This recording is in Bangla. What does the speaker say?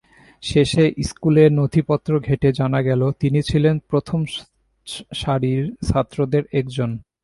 শেষে স্কুলের নথিপত্র ঘেঁটে জানা গেল, তিনি ছিলেন প্রথম সারির ছাত্রদের একজন।